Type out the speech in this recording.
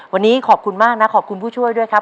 วันนี้ขอบคุณมากนะขอบคุณผู้ช่วยด้วยครับ